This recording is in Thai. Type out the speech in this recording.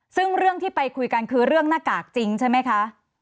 ซึ่งเรื่องที่ไปคุยกันคือเรื่องหน้ากากจริงใช่ไหมคะ